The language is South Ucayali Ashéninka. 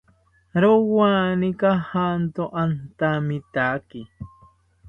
Rowani kajanto antamitaki